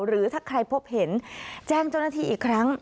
หรือถ้าใครพบเห็นแจ้งเจ้าหน้าที่อีกครั้ง